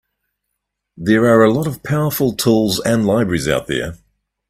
There are a lot of powerful tools and libraries out there.